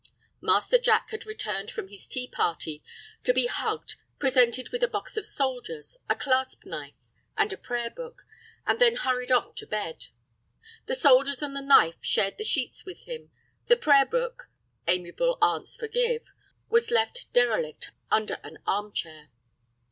Master Jack had returned from his tea party, to be hugged, presented with a box of soldiers, a clasp knife, and a prayer book, and then hurried off to bed. The soldiers and the knife shared the sheets with him; the prayer book (amiable aunts forgive!) was left derelict under an arm chair.